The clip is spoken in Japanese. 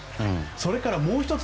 それからもう１つ